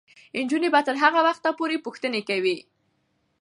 نجونې به تر هغه وخته پورې پوښتنې کوي.